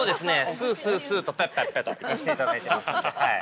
スースースーとペッペッペッといかしていただいてますんで。